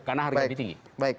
karena harga lebih tinggi